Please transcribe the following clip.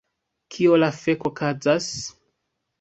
Kio la fek okazas...?